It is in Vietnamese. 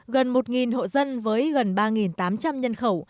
gần một hộ dân với gần ba tám trăm linh nhân khẩu